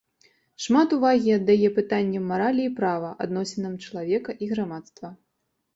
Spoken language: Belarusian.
Шмат увагі аддае пытанням маралі і права, адносінам чалавека і грамадства.